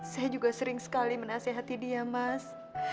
saya juga sering sekali menasehati dia mas